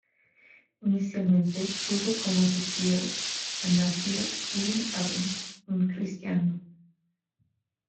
Inicialmente tuvo como visir a Nasr ibn Harun, un cristiano.